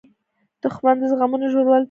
دښمن د زخمونو ژوروالۍ ته خوښیږي